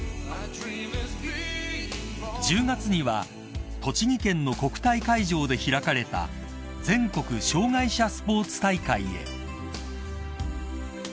［１０月には栃木県の国体会場で開かれた全国障害者スポーツ大会へ］